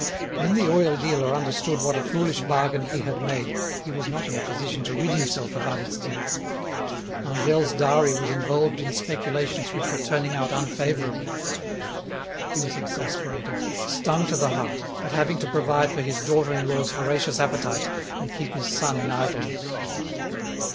When the oil dealer understood what a foolish bargain he had made he was not in a position to rid himself of Aristide; Angèle's dowry was involved in speculations which were turning out unfavourably. He was exasperated, stung to the heart, at having to provide for his daughter in law's voracious appetite and keep his son in idleness.